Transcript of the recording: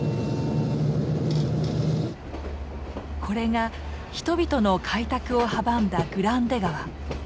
これが人々の開拓を阻んだグランデ川。